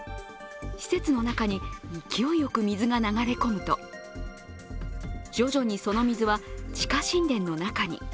施設の中に勢いよく水が流れ込むと徐々にその水は、地下神殿の中に。